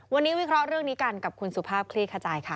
วันนี้วิเคราะห์เรื่องนี้กันกับคุณสุภาพคลี่ขจายค่ะ